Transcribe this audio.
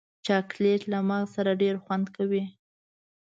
چاکلېټ له مغز سره ډېر خوند کوي.